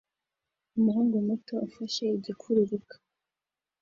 Umuhungu muto ufashe igikururuka